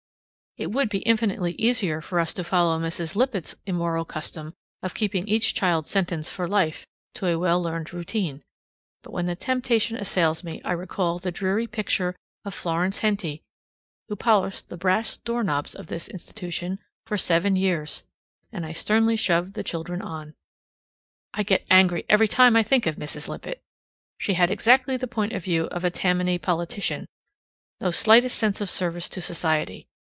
It would be infinitely easier for us to follow Mrs. Lippett's immoral custom of keeping each child sentenced for life to a well learned routine; but when the temptation assails me, I recall the dreary picture of Florence Henty, who polished the brass doorknobs of this institution for seven years and I sternly shove the children on. I get angry every time I think of Mrs Lippett. She had exactly the point of view of a Tammany politician no slightest sense of service to society.